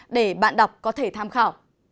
để bạn đọc có thể tham khảo